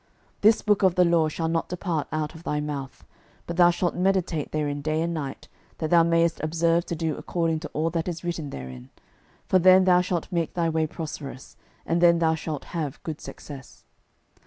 06:001:008 This book of the law shall not depart out of thy mouth; but thou shalt meditate therein day and night, that thou mayest observe to do according to all that is written therein: for then thou shalt make thy way prosperous, and then thou shalt have good success.